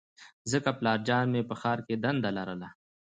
ځکه پلارجان مې په ښار کې دنده لرله